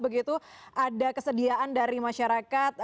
begitu ada kesediaan dari masyarakat